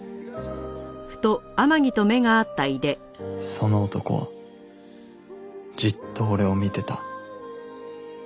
その男はじっと俺を見てた